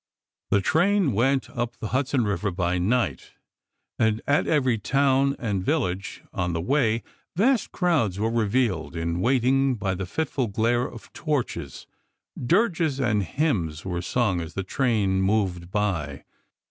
The train went up the Hudson Eiver by night, and at every town and village on the way vast crowds were revealed in waiting by the fitful glare of torches; dirges and hymns were sung as the train moved by.